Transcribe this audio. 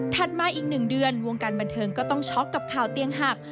มาอีก๑เดือนวงการบันเทิงก็ต้องช็อกกับข่าวเตียงหัก